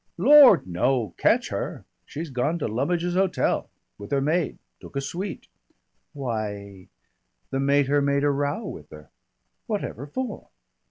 "Lord, no! Catch her! She's gone to Lummidge's Hotel. With her maid. Took a suite." "Why " "The mater made a row with her." "Whatever for?"